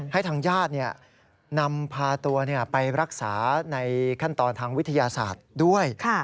ให้ทางญาตินำพาตัวไปรักษาในขั้นตอนทางวิทยาศาสตร์ด้วย